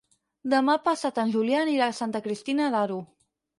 Demà passat en Julià anirà a Santa Cristina d'Aro.